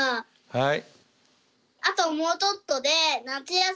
はい。